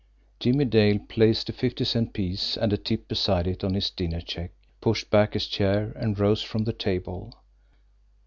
Jimmie Dale placed a fifty cent piece and a tip beside it on his dinner check, pushed back his chair, and rose from the table.